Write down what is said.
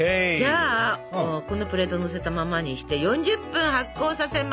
じゃあこのプレートにのせたままにして４０分発酵させます。